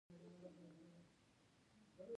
د ورور مرګ د احمد ملا ور ماته کړه.